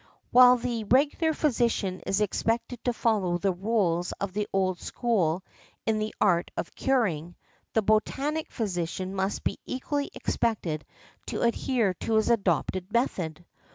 While the regular physician is expected to follow the rules of the old school in the art of curing, the botanic physician must be equally expected to adhere to his adopted method.